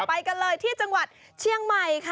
ไปกันเลยที่จังหวัดเชียงใหม่ค่ะ